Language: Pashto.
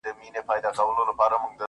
خو کيسه نه ختمېږي هېڅکله,